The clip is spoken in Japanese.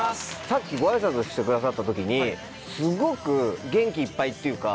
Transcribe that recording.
さっきごあいさつしてくださった時にすごく元気いっぱいっていうか。